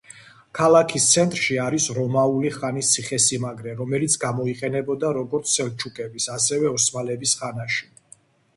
ქალაქის ცენტრში არის რომაული ხანის ციხესიმაგრე, რომელიც გამოიყენებოდა როგორც სელჩუკების, ასევე ოსმალების ხანაში.